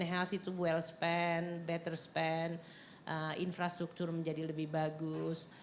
health itu well span better span infrastruktur menjadi lebih bagus